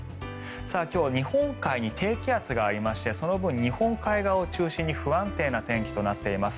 今日は日本海に低気圧がありましてその分、日本海側を中心に不安定な天気となっています。